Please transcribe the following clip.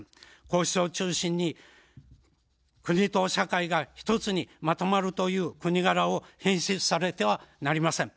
皇室を中心に国と社会がひとつにまとまるという国柄を変質させてはなりません。